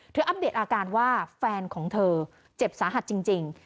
อัปเดตอาการว่าแฟนของเธอเจ็บสาหัสจริง